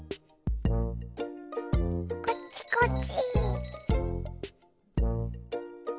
こっちこっち。